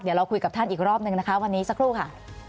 เดี๋ยวเราคุยกับท่านอีกรอบหนึ่งนะคะวันนี้สักครู่ค่ะ